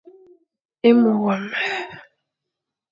É mo wam.